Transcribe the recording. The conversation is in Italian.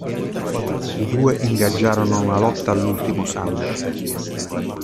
I due ingaggiarono una lotta all'ultimo sangue.